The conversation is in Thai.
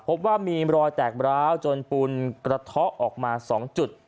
พบว่ามีรอยแตกร้าวจนปูนกระเทาะออกมา๒จุด